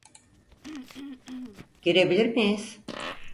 Girebilir miyiz?